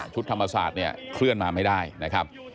ธรรมศาสตร์เนี่ยเคลื่อนมาไม่ได้นะครับ